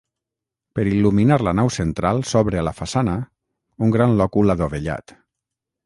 Per il·luminar la nau central s'obre a la façana, un gran lòcul adovellat.